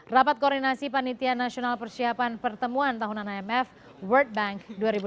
rapat koordinasi panitia nasional persiapan pertemuan tahunan imf world bank dua ribu delapan belas